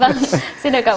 vâng xin cảm ơn anh chị